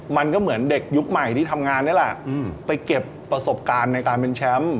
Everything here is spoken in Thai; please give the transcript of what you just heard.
มันก็เหมือนเด็กยุคใหม่ที่ทำงานนี่แหละไปเก็บประสบการณ์ในการเป็นแชมป์